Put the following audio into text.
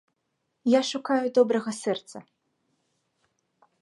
Я шукаю добрага сэрца.